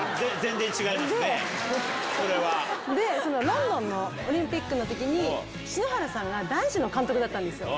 ロンドンのオリンピックの時に篠原さんが男子の監督だったんですよ。